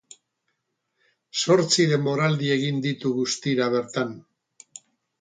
Zortzi denboraldi egin ditu guztira bertan.